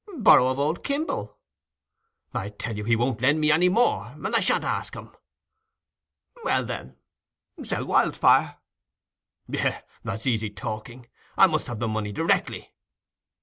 "Borrow of old Kimble." "I tell you, he won't lend me any more, and I shan't ask him." "Well, then, sell Wildfire." "Yes, that's easy talking. I must have the money directly."